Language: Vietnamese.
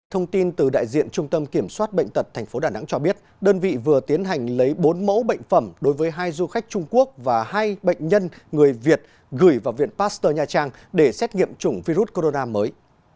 thông tin từ đại diện trung tâm kiểm soát bệnh tật tp đà nẵng cho biết đơn vị vừa tiến hành lấy bốn mẫu bệnh phẩm đối với hai du khách trung quốc và hai bệnh nhân người việt gửi vào viện pasteur nha trang để xét nghiệm chủng virus corona mới